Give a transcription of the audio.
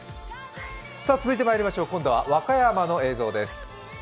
続いては和歌山の映像です。